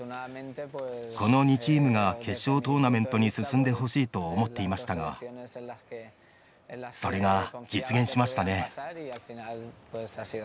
この２チームが決勝トーナメントに進んでほしいと思っていましたがそれが実現しましたね。